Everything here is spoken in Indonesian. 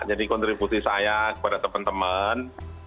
jadi kontribusi saya kepada teman teman